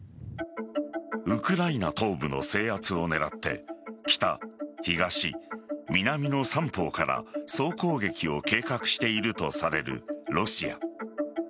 ウクライナ東部の制圧を狙って北、東、南の三方から総攻撃を計画しているとされるロシア。